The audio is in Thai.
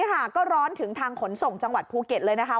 ค่ะก็ร้อนถึงทางขนส่งจังหวัดภูเก็ตเลยนะคะ